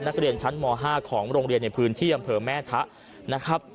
นักเรียนชั้นม๕ของโรงเรียนในพื้นที่อำเภอแม่ทะนะครับ